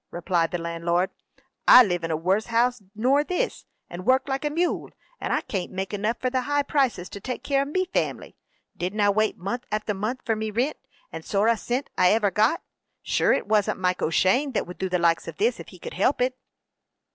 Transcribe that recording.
replied the landlord. "I live in a worse house nor this, and work like a mule, and I can't make enough, for the high prices, to take care of me family. Didn't I wait month after month for me rint, and sorra a cint I iver got? Sure it isn't Mike O'Shane that would do the likes of this if he could help it."